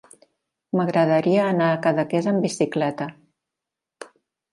M'agradaria anar a Cadaqués amb bicicleta.